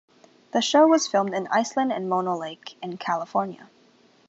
The show was filmed in Iceland and Mono Lake in California.